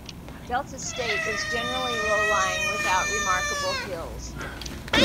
Delta State is generally low-lying without remarkable hills.